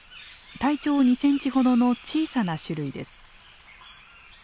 体長２センチほどの小さな種類です。